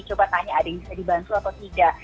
coba tanya ada yang bisa dibantu atau tidak